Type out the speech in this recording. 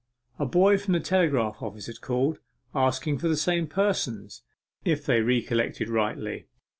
A boy from the telegraph office had called, asking for the same persons, if they recollected rightly.